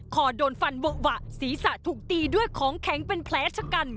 คอโดนฟันเวอะหวะศีรษะถูกตีด้วยของแข็งเป็นแผลชะกัน